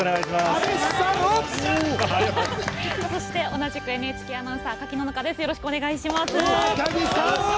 同じくＮＨＫアナウンサー赤木野々花です。